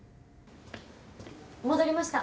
戻りました。